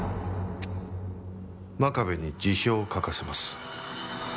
真壁に辞表を書かせます。